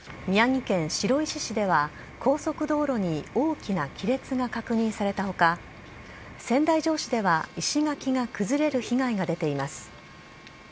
宮城県白石市では高速道路に大きな亀裂が確認された他仙台城では石垣が崩れる被害が出ています。